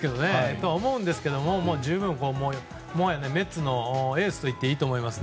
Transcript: そう思うんですけど十分、もはやメッツのエースと言っていいと思います。